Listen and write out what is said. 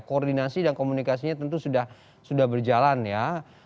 koordinasi dan komunikasinya tentu sudah berjalan ya